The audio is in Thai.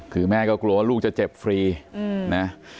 คือแม่ก็กลัวว่าลูกจะเจ็บฟรีนะ